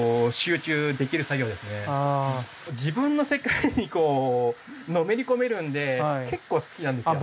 自分の世界にこうのめり込めるんで結構好きなんですよ。